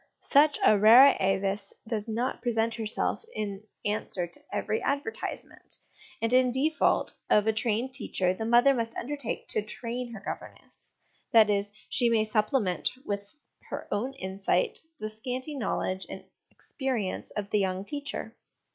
Such a rara avis does not present herself in answer to every advertisement; and in default of a trained teacher, the mother must undertake to train her governess that is, she may supplement with her own insight the scanty knowledge and experience of the young teacher.